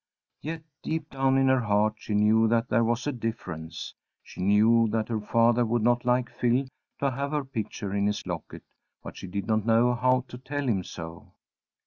Yet deep down in her heart she knew that there was a difference. She knew that her father would not like Phil to have her picture in his locket, but she didn't know how to tell him so.